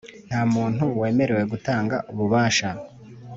nta muntu wemerewe gutanga ububasha